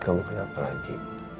kamu kenapa lagi